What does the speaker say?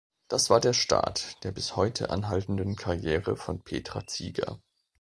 Das war der Start der bis heute anhaltenden Karriere von Petra Zieger.